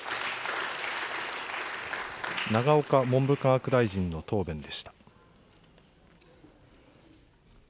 永岡文部科学大臣の答弁でした。